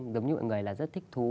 giống như người là rất thích thú